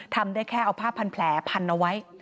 ทำได้แค่เอาผ้าพันแผลพันเอาไว้